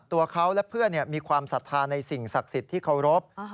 ตัวเขาและเพื่อนมีความศรัทธาในสิ่งศักดิ์สิทธิ์ที่เคารพ